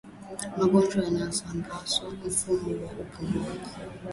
Magonjwa yanayoshambulia mfumo wa upumuaji